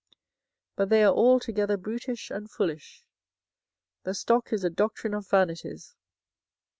24:010:008 But they are altogether brutish and foolish: the stock is a doctrine of vanities.